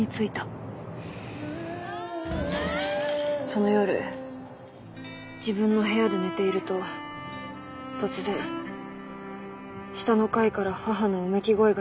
その夜自分の部屋で寝ていると突然下の階から母のうめき声がして目が覚めた。